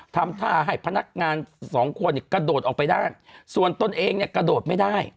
ทำท่าให้พนักงานสองคนเนี่ยกระโดดออกไปได้ส่วนตนเองเนี่ยกระโดดไม่ได้